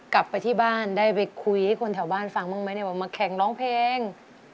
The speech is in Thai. กลับไปที่บ้านได้ไปคุยให้คนแถวบ้านฟังบ้างไหมเนี่ยว่ามาแข่งร้องเพลง